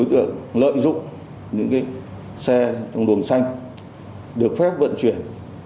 đối tượng lợi dụng những xe trong luồng xanh được phép vận chuyển